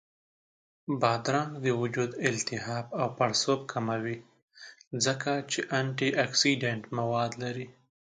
بادرنګ د وجود التهاب او پړسوب کموي، ځکه چې انټياکسیدنټ مواد لري